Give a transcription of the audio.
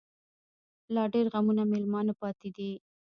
لا ډيـر غمـــــونه مېلـــمانه پــاتې دي